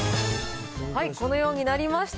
はい、このようになりました。